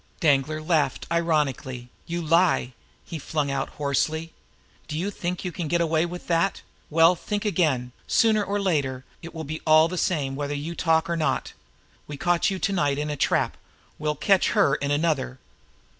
Danglar laughed ironically. "You lie!" he flung out hoarsely. "Do you think you can get away with that? Well, think again! Sooner or later, it will be all the same whether you talk or not. We caught you to night in a trap; we'll catch her in another.